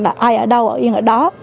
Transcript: ai ở đâu yên ở đó